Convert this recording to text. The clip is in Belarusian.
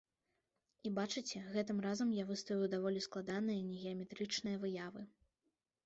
І бачыце, гэтым разам я выставіў даволі складаныя, негеаметрычныя выявы.